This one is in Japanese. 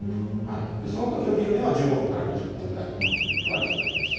そのときの昼寝は１５分から２０分ぐらいというのが、理想的です。